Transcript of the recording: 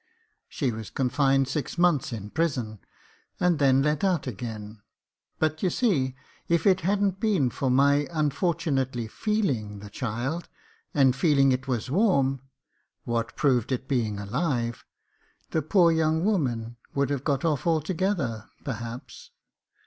She was confined six months in prison, and then let out again ; but you see, if it hadn't been for my un fortunately feeling the child, and feeling it was warm, what proved its being alive, the poor young woman would J.F. o 2IO Jacob Faithful have got oiT altogether, perhaps.